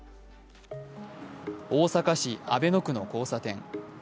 大阪市阿倍野区の交差点。